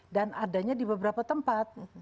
dan adanya di beberapa tempat